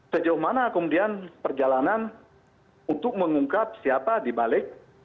sejauh mana kemudian perjalanan untuk mengungkap siapa di balik